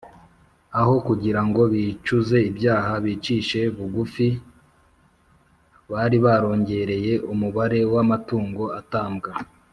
aho kugira ngo bicuze ibyaha bicishije bugufi, bari barongereye umubare w’amatungo atambwa,